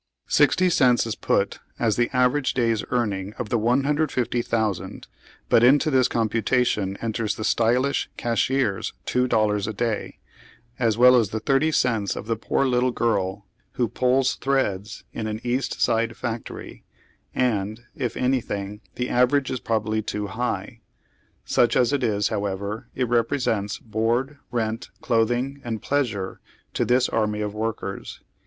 Sixty ceTTts is put as the average day's earnings of the 150,000, but into this computation enters the stylish "cashier's " two dollars a day, as well as the thirty cents of the poor little girl who pulls threads in an East Side factory, and, if any tiling, the average is probably too high. Such as it is, however, it represents board, rent, clothing, and " pleasure " to this army of workers.